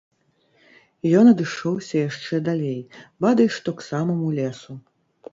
Ён адышоўся яшчэ далей, бадай што к самаму лесу.